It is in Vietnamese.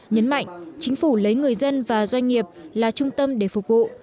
nhấn mạnh chính phủ lấy người dân và doanh nghiệp là trung tâm để phục vụ